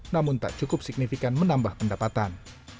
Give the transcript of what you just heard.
namun tak cukup signifikan menambah pendapatan